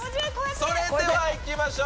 それではいきましょう。